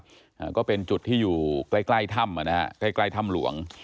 อ่าก็เป็นจุดที่อยู่ใกล้ใกล้ถ้ำอ่ะนะฮะใกล้ใกล้ถ้ำหลวง